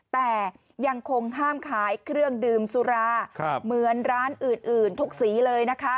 แต่ยังคงห้ามขายเครื่องดื่มสุราเหมือนร้านอื่นทุกสีเลยนะคะ